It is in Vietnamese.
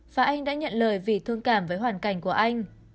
và anh đã nhận lời vì thương cảm với hoàn cảnh của anh